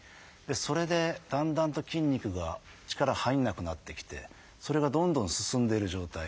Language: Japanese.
それでだんだんと筋肉が力入らなくなってきてそれがどんどん進んでいる状態。